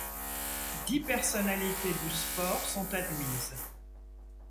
Dix personnalités du sport sont admises.